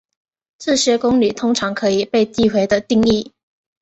这些公理通常可以被递回地定义。